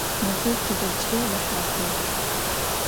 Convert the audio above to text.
Mezır tıdeç'i rehatığ.